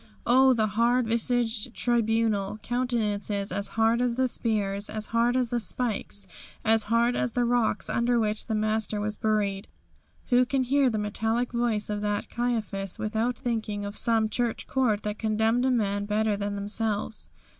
Oh, the hard visaged tribunal; countenances as hard as the spears, as hard as the spikes, as hard as the rocks under which the Master was buried! Who can hear the metallic voice of that Caiaphas without thinking of some church court that condemned a man better than themselves?